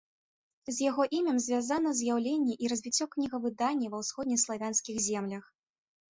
З яго імем звязана з'яўленне і развіццё кнігавыдання ва ўсходнеславянскіх землях.